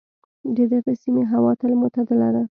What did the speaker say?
د دغې سیمې هوا تل معتدله ده.